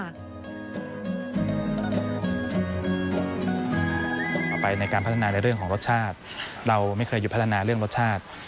เอาไปในการพัฒนาในเรื่องของรสชาติเราไม่เคยหยุดพัฒนาเรื่องรสชาติ